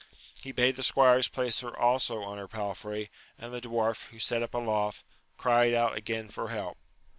He bade the squires place her ^so on her palfrey, and the dwarf, who sate up aloft, cried out again for help.